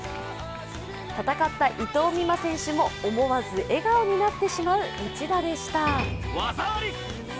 戦った伊藤美誠選手も思わず笑顔になってしまう一打でした。